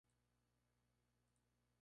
Mary's Church" o bien "St.